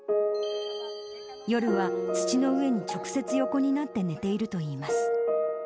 夜は土の上に直接、横になって寝ているといいます。